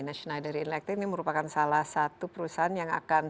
schneider electric ini merupakan salah satu perusahaan yang akan mencapai kepentingan